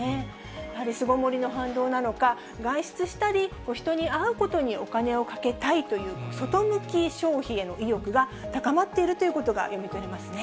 やはり巣ごもりの反動なのか、外出したり人に会うことにお金をかけたいという、外向き消費への意欲が高まっているということが読み取れますね。